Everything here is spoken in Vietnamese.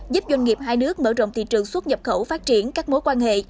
giúp doanh nghiệp hai nước mở rộng thị trường xuất nhập khẩu phát triển các mối quan hệ